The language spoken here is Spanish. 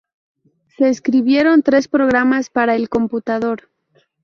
Se escribieron tres programas para el computador.